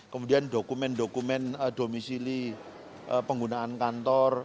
kemudian dokumen dokumen domisili penggunaan kantor